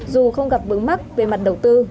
dù không gặp bướng mắc về mặt đầu tư